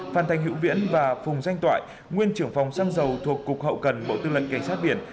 phan thành hữu viễn và phùng danh toại nguyên trưởng phòng xăng dầu thuộc cục hậu cần bộ tư lệnh cảnh sát biển